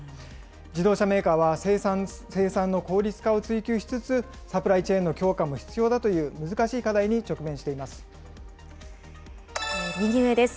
自動車メーカーは生産の効率化を追求しつつ、サプライチェーンの強化も必要だという難しい課題に直面していま右上です。